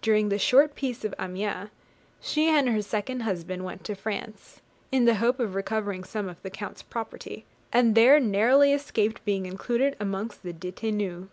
During the short peace of Amiens, she and her second husband went to France, in the hope of recovering some of the Count's property, and there narrowly escaped being included amongst the detenus.